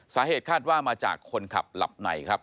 สาเหตุคาดว่ามาจากคนขับหลับในครับ